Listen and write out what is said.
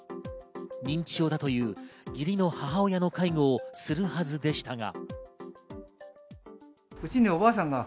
認知症だという義理の母親の介護をするはずでしたが。